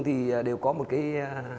thì đều có một cái